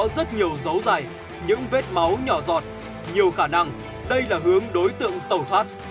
rất nhiều dấu dài những vết máu nhỏ giọt nhiều khả năng đây là hướng đối tượng tẩu thoát